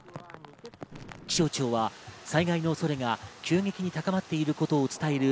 気象庁は災害の恐れが急激に高まっていることを伝える